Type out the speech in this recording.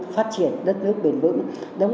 phát triển đất nước bền vững